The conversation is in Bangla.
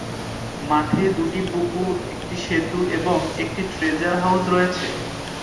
মাঠে দুটি পুকুর, একটি সেতু এবং একটি ট্রেজার হাউস রয়েছে।